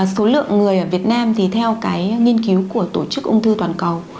số lượng người ở việt nam thì theo cái nghiên cứu của tổ chức ung thư toàn cầu